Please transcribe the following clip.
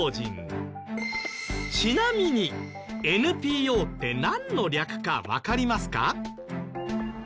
ちなみに「ＮＰＯ」ってなんの略かわかりますか？